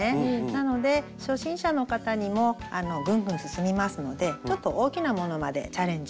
なので初心者の方にもぐんぐん進みますのでちょっと大きなものまでチャレンジして頂けます。